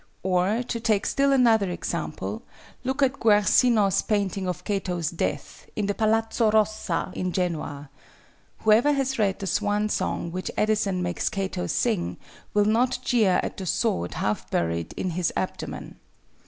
Or, to take still another example, look at Guercino's painting of Cato's death, in the Palazzo Rossa in Genoa. Whoever has read the swan song which Addison makes Cato sing, will not jeer at the sword half buried in his abdomen.